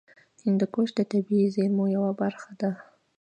هندوکش د طبیعي زیرمو یوه برخه ده.